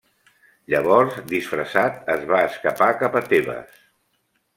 Llavors, disfressat, es va escapar cap a Tebes.